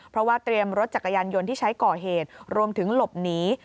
เพราะว่าเตรียมรถจักรยานยนต์ที่ใช้ก่อเหตุรวมถึงหลบหนี